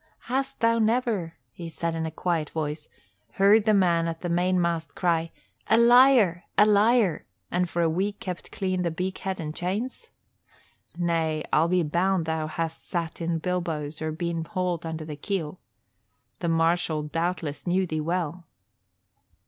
"Hast thou never," he said in a quiet voice, "heard the man at the mainmast cry, 'A liar, a liar!' and for a week kept clean the beakhead and chains? Nay, I'll be bound thou hast sat in bilbowes or been hauled under the keel. The marshal doubtless knew thee well."